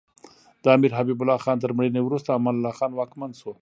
د امیر حبیب الله خان تر مړینې وروسته امان الله خان واکمن شو.